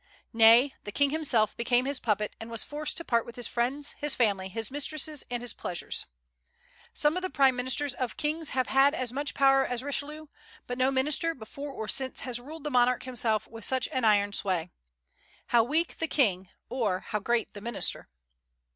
Nay, the King himself became his puppet, and was forced to part with his friends, his family, his mistresses, and his pleasures. Some of the prime ministers of kings have had as much power as Richelieu, but no minister, before or since, has ruled the monarch himself with such an iron sway. How weak the King, or how great the minister!